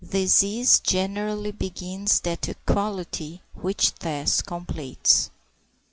Disease generally begins that equality which death completes.